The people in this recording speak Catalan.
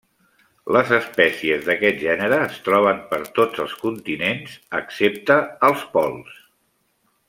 Les espècies d'aquest gènere es troben per tots els continents excepte als pols.